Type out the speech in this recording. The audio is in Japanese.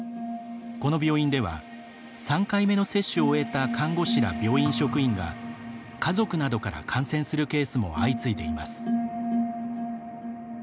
この病院では３回目の接種を終えた看護師ら病院職員が家族などから感染するケースも相次いでいます。